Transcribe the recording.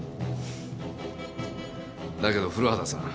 だけど古畑さん。